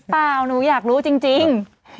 เปล่าหนูอยากรู้จริง